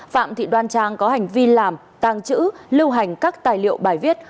phạm thị đoan trang có hành vi làm tàng trữ lưu hành các tài liệu bài viết